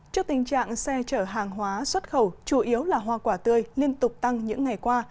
trước tình trạng xe chở hàng hóa xuất khẩu chủ yếu là hoa quả tươi liên tục tăng những ngày qua